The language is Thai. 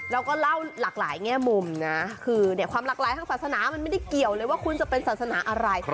เราก็เล่าหลากหลายแง่มุมนะคือความหลากหลายทางศาสนามันไม่ได้เกี่ยวเลยว่าคุณจะเป็นศาสนาอะไร